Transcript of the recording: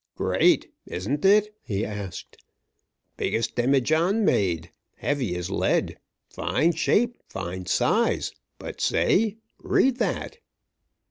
"Great, isn't it?" he asked. "Biggest demijohn made. Heavy as lead! Fine shape, fine size! But, say read that!"